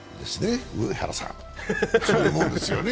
上原さん、そういうものですよね？